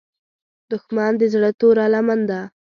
دښمن د زړه توره لمن ده